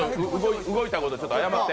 動いたこと謝って。